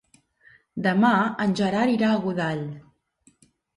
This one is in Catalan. Demà en Gerard irà a Godall.